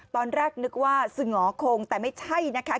ตอนแรกนึกว่าสงอคงแต่ไม่ใช่นะคะ